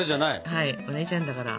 はいお姉ちゃんだから。